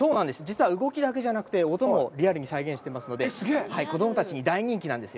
実は、動きだけじゃなくて音もリアルに再現していますので、子供たちに大人気なんですよ。